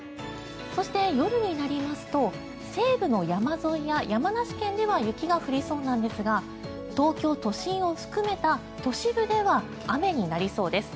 そして、夜になりますと西部の山沿いや山梨県では雪が降りそうですが東京都心を含めた都市部では雨になりそうです。